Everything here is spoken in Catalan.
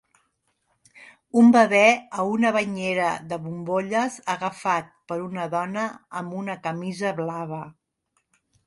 Un bebè a una banyera de bombolles agafat per una dona amb una camisa blava